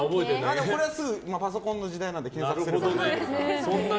これはすぐパソコンの時代なので検索すれば。